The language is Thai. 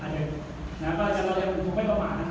เราก็คิดว่า